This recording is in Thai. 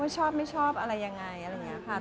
ชอบไม่ชอบอะไรยังไงอะไรใช่ไหมค่ะ